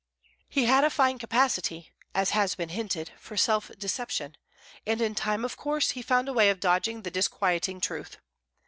He had a fine capacity, as has been hinted, for self deception, and in time, of course, he found a way of dodging the disquieting truth.